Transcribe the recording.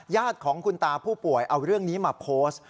ญาติของคุณตาผู้ป่วยเอาเรื่องนี้มาโพสต์